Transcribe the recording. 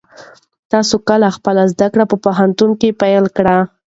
تاسو کله خپلې زده کړې په پوهنتون کې پیل کړې؟